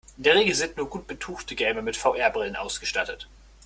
In der Regel sind nur gut betuchte Gamer mit VR-Brillen ausgestattet.